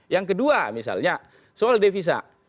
yang kedua misalnya soal devisa